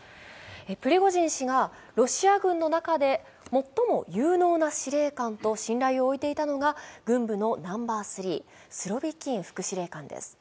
プリゴジン氏がロシア軍の中で最も有能な司令官と信頼をおいていたのが軍部のナンバー３、スロビキン副司令官です。